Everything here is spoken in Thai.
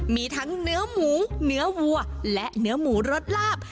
มีทั้งเนื้อหมูเนื้อวัวและเนื้อหมูรสลาบ